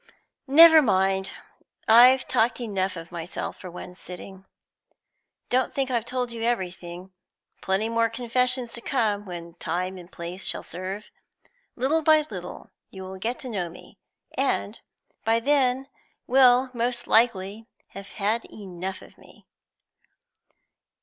Never mind, I've talked enough of myself for one sitting. Don't think I've told you everything. Plenty more confessions to come, when time and place shall serve. Little by little you will get to know me, and by then will most likely have had enough of me."